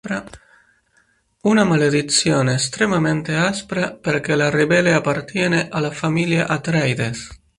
Una maledizione estremamente aspra, perché la ribelle appartiene alla famiglia Atreides.